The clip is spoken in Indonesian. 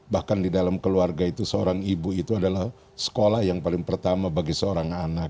bahkan di dalam keluarga itu seorang ibu itu adalah sekolah yang paling pertama bagi seorang anak